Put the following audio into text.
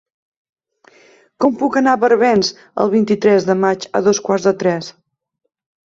Com puc anar a Barbens el vint-i-tres de maig a dos quarts de tres?